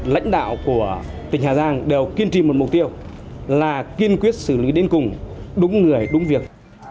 lãnh đạo của tỉnh hà giang đều kiên trì một mục tiêu là kiên quyết xử lý đến cùng đúng người đúng việc